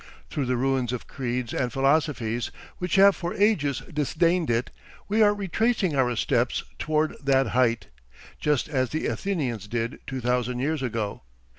Through the ruins of creeds and philosophies, which have for ages disdained it, we are retracing our steps toward that height just as the Athenians did two thousand years ago.